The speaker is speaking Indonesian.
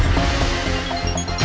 mbak andin mau ke panti